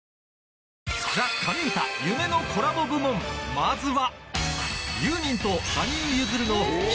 まずは